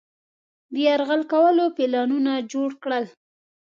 د یرغل کولو پلانونه جوړ کړل.